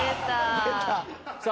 出た。